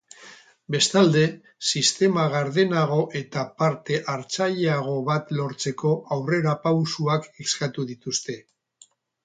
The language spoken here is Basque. Bestalde, sistema gardenago eta parte-hartzaileago bat lortzeko aurrerapausoak eskatu dituzte.